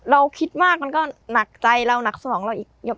เราคิดมากมันก็หนักใจเราหนักสมองเราอีกเยอะ